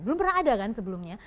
belum pernah ada kan sebelumnya